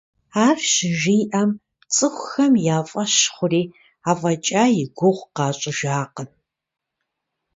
Ар щыжиӀэм, цӀыхухэм я фӀэщ хъури, афӀэкӀа и гугъу къащӀыжакъым.